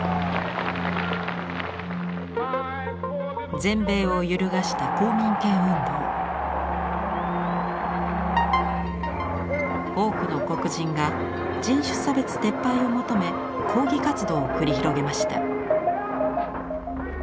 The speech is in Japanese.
全米を揺るがした多くの黒人が人種差別撤廃を求め抗議活動を繰り広げました。